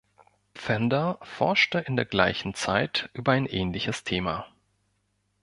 Pfänder forschte in der gleichen Zeit über ein ähnliches Thema.